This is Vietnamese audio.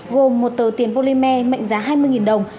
gồm một tờ tiền polymer mệnh giá hai mươi đồng